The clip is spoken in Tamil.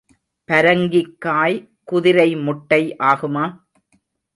பரங்கிங்காய் குதிரை முட்டை ஆகுமா?